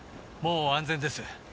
もう安全です。